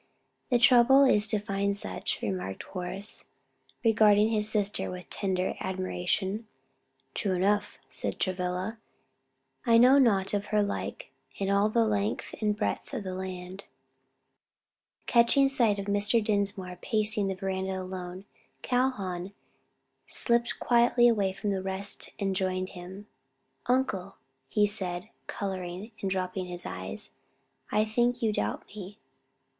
"The trouble is to find such," remarked Horace, regarding his sister with tender admiration. "True enough," said Travilla, "I know not of her like in all the length and breadth of the land." Catching sight of Mr. Dinsmore pacing the veranda alone, Calhoun slipped quietly away from the rest and joined him. "Uncle," he said, coloring and dropping his eyes, "I think you doubt me."